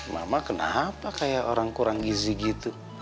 mama kenapa kayak orang kurang gizi gitu